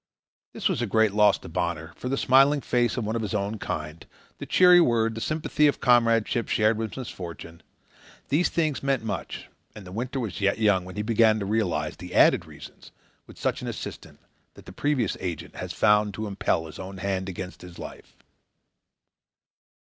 This was a great loss to Bonner; for the smiling face of one of his own kind, the cheery word, the sympathy of comradeship shared with misfortune these things meant much; and the winter was yet young when he began to realize the added reasons, with such an assistant, that the previous agent had found to impel his own hand against his life.